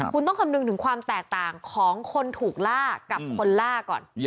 คุณต้องคำนึงถึงความแตกต่างของคนถูกล่ากับคนล่าก่อน